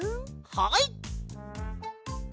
はい！